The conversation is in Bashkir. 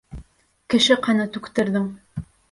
Кеше ҡаны түктерҙең.